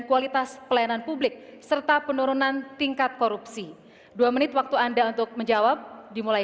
kualitas pelayanan publik serta penurunan tingkat korupsi dua menit waktu anda untuk menjawab dimulai